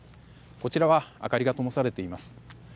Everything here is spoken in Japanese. こちらは明かりがともされています。